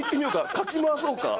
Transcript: かき回そうか。